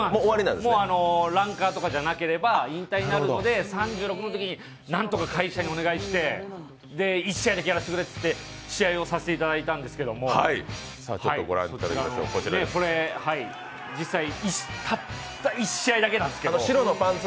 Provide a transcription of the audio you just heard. ランカーとかじゃなければ引退になるので３６のときになんとか会社にお願いして１試合だけやらせてくれって試合をさせていただいたんですけれども、実際、たった１試合だけなんですけど。